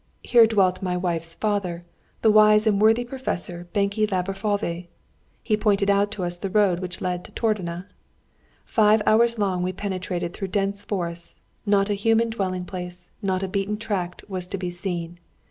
Here dwelt my wife's father, the wise and worthy professor Benke Laborfalvy. He pointed out to us the road which led into Tordona. Five hours long we penetrated through dense forests: not a human dwelling place, not a beaten tract was to be seen.